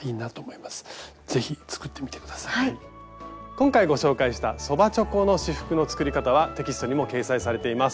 今回ご紹介したそばちょこの仕覆の作り方はテキストにも掲載されています。